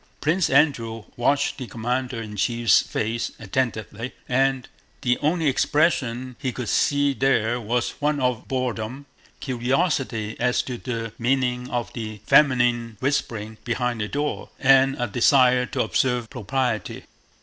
Prince Andrew watched the commander in chief's face attentively, and the only expression he could see there was one of boredom, curiosity as to the meaning of the feminine whispering behind the door, and a desire to observe propriety.